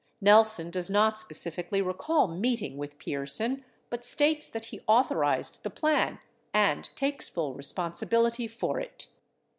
Nelson does not specifically recall meeting with Pierson, but states that he authorized the plan and takes full responsibility for it.